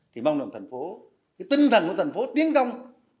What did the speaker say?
thì mong đồng thành phố cái tinh thần của thành phố tiến công